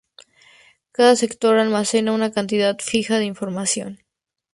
Cada sector almacena una cantidad fija de información.